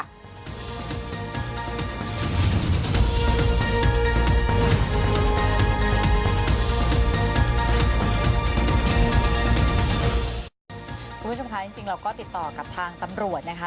คุณผู้ชมคะจริงเราก็ติดต่อกับทางตำรวจนะคะ